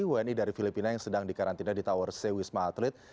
wni dari filipina yang sedang dikarantina di tower c wisma atlet